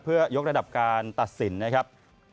เพื่อยกระดับการตัดสินนะครับ